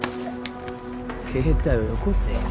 携帯をよこせよ。